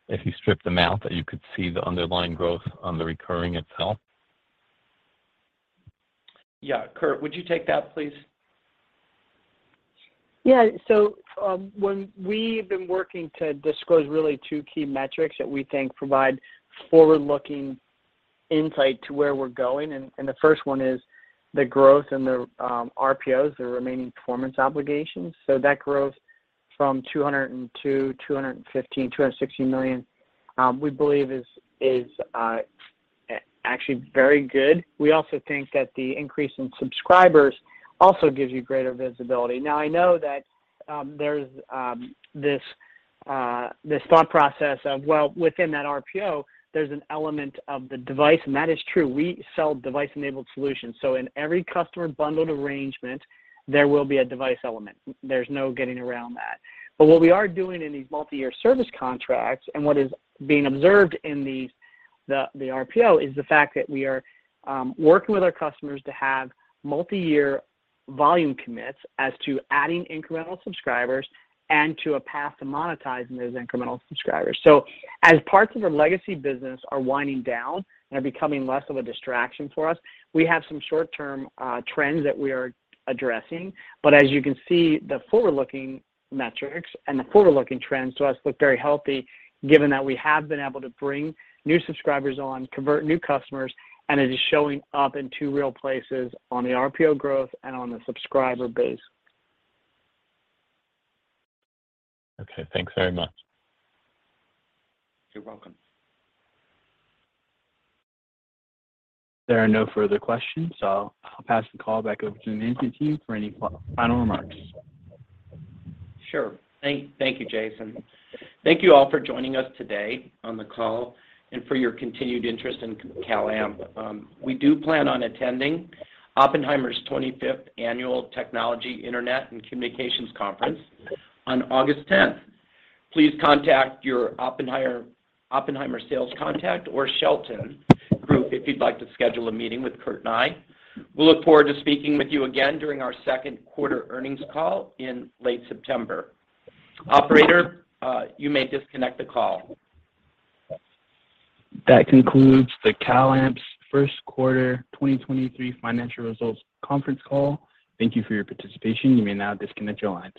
if you strip them out, that you could see the underlying growth on the recurring itself? Yeah. Kurt, would you take that, please? Yeah, when we've been working to disclose really two key metrics that we think provide forward-looking insight to where we're going, and the first one is the growth in the ARPUs, the remaining performance obligations. That growth from $202 million, $215 million, $216 million, we believe is actually very good. We also think that the increase in subscribers also gives you greater visibility. Now, I know that there's this thought process of, well, within that ARPU, there's an element of the device, and that is true. We sell device-enabled solutions. In every customer bundled arrangement, there will be a device element. There's no getting around that. What we are doing in these multi-year service contracts and what is being observed in these the ARPU is the fact that we are working with our customers to have multi-year volume commits as to adding incremental subscribers and to a path to monetizing those incremental subscribers. As parts of our legacy business are winding down and are becoming less of a distraction for us, we have some short-term trends that we are addressing. As you can see, the forward-looking metrics and the forward-looking trends to us look very healthy given that we have been able to bring new subscribers on, convert new customers, and it is showing up in two real places, on the ARPU growth and on the subscriber base. Okay. Thanks very much. You're welcome. There are no further questions, so I'll pass the call back over to the management team for any final remarks. Sure. Thank you, Jason. Thank you all for joining us today on the call and for your continued interest in CalAmp. We do plan on attending Oppenheimer's 25th Annual Technology, Internet, and Communications Conference on August 10. Please contact your Oppenheimer sales contact or Shelton Group if you'd like to schedule a meeting with Kurt and I. We look forward to speaking with you again during our second quarter earnings call in late September. Operator, you may disconnect the call. That concludes the CalAmp's first quarter 2023 financial results conference call. Thank you for your participation. You may now disconnect your lines.